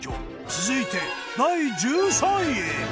続いて第１３位。